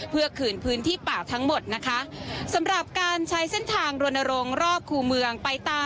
เพื่อคืนพื้นที่ป่าทั้งหมดนะคะสำหรับการใช้เส้นทางรณรงค์รอบคู่เมืองไปตาม